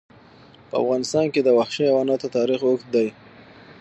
په افغانستان کې د وحشي حیواناتو تاریخ اوږد دی.